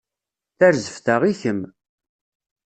Tarzeft-a i kemm.